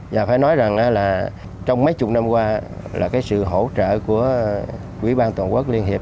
và phải nói rằng là trong mấy chục năm qua là cái sự hỗ trợ của quỹ ban toàn quốc liên hiệp